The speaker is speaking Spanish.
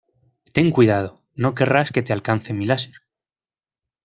Ten cuidado. No querrás que te alcance mi láser.